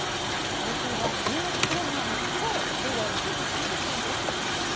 放送は、ＢＳプレミアムきょう午後１時３０分です。